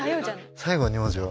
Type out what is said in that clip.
最後の２文字は？